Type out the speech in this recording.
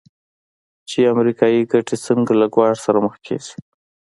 چې امریکایي ګټې څنګه له ګواښ سره مخ کېږي.